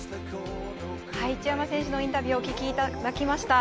一山選手のインタビューをお聞きいただきました。